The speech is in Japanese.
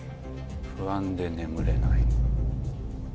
不安で眠れない。